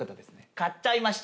買っちゃいました。